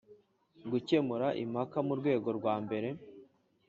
Gukemura impaka mu rwego rwa mbere